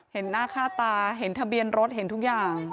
เห็นหน้าค่าตาเห็นทะเบียนรถเห็นทุกอย่าง